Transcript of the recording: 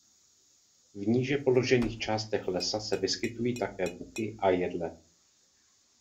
V níže položených částech lesa se vyskytují také buky a jedle.